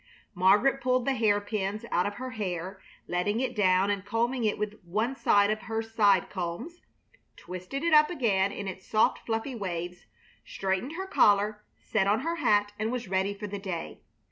Margaret pulled the hair pins out of her hair, letting it down and combing it with one of her side combs; twisted it up again in its soft, fluffy waves; straightened her collar, set on her hat, and was ready for the day.